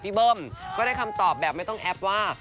เบิ้มก็ได้คำตอบแบบไม่ต้องแอปว่า